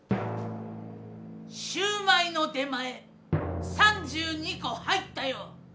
シューマイの出前３２こ入ったよ！